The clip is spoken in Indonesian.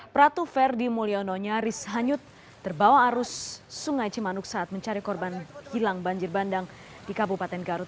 pratu ferdi mulyono nyaris hanyut terbawa arus sungai cimanuk saat mencari korban hilang banjir bandang di kabupaten garut